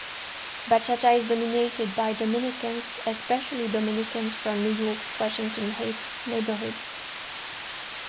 Bachata is dominated by Dominicans, especially Dominicans from New York's Washington Heights neighborhood.